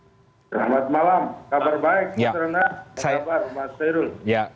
selamat malam kabar baik pak ternak